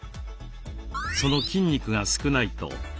その筋肉が少ないと。